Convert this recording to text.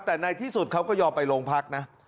แต่ในที่สุดเขาก็ยอมไปโรงพักนะ